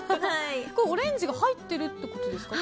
オレンジが入っているってことですか？